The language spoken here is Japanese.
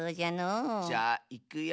じゃあいくよ。